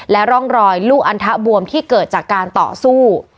ร่องรอยลูกอันทะบวมที่เกิดจากการต่อสู้